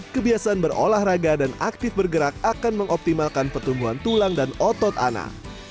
kebiasaan berolahraga dan aktif bergerak akan mengoptimalkan pertumbuhan tulang dan otot anak